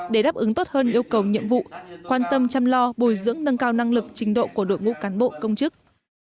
để đáp ứng tốt hơn yêu cầu nhiệm vụ quan tâm chăm lo bồi dưỡng nâng cao năng lực trình độ của đội ngũ cán bộ công chức